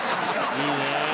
「いいね！」